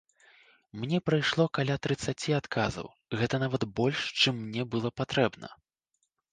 Мне прыйшло каля трыццаці адказаў, гэта нават больш, чым мне было патрэбна.